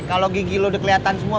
kalau gigi lu udah keliatan semua